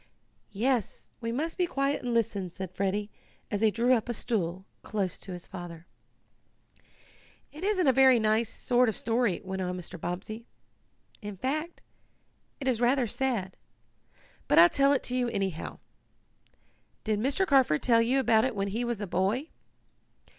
"Yes, we must be quiet and listen," said Freddie, as he drew up a stool close to his father. "It isn't a very nice sort of story," went on Mr. Bobbsey. "In fact it is rather sad. But I'll tell it to you, anyhow. Did Mr. Carford tell you about when he was a boy?"